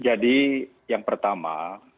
jadi yang pertama